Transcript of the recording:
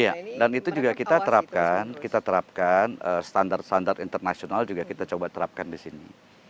iya dan itu juga kita terapkan kita terapkan standar standar internasional juga kita coba terapkan di sini